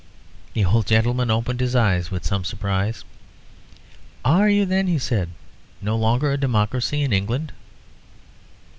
The old gentleman opened his eyes with some surprise. "Are you, then," he said, "no longer a democracy in England?"